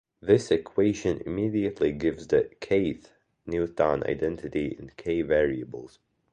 This equation immediately gives the "k"-th Newton identity in "k" variables.